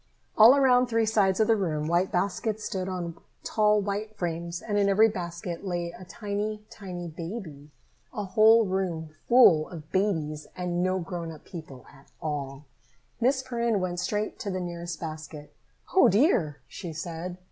All around three sides of the room white baskets stood on tall white frames, and in every basket lay a tiny, tiny baby. A whole room full of babies and no grown people at all! Miss Perrin went straight to the nearest basket. "O dear!" she said.